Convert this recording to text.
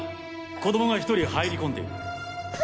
子供が１人入りこんでいる。